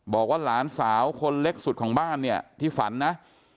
บอกว่าหลานสาวคนเล็กสุดของบ้านเนี่ยที่ฝันนะ